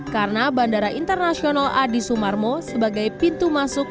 karena bandara internasional adi sumarmo sebagai pintu masuk